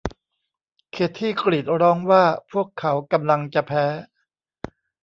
เคธี่กรีดร้องว่าพวกเขากำลังจะแพ้